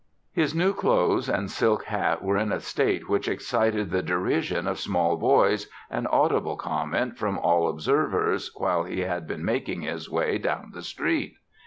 His new clothes and silk hat were in a state which excited the derision of small boys and audible comment from all observers while he had been making his way down the street.